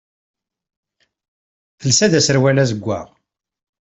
Telsa-d aserwal d azeggaɣ.